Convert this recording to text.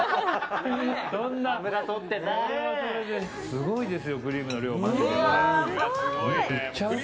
すごいですよクリームの量が。